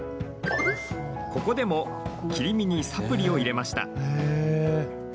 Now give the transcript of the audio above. ここでも切り身にサプリを入れました。